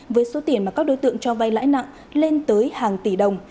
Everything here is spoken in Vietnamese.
với số tiền mà các đối tượng cho vay lãi nặng lên tới hàng tỷ đồng